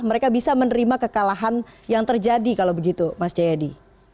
mereka bisa menerima kekalahan yang terjadi kalau begitu mas jayadi